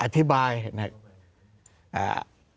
อธิบายนะครับ